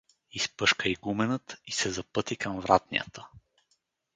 — изпъшка игуменът и се запъти към вратнята.